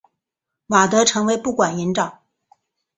瓦德成为不管部长。